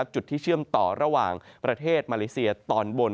จุดที่เชื่อมต่อระหว่างประเทศมาเลเซียตอนบน